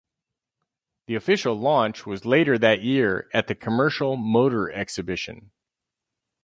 The official launch was later that year at the Commercial Motor Exhibition.